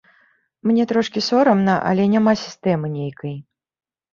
Мне трошкі сорамна, але няма сістэмы нейкай.